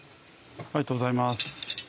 ありがとうございます。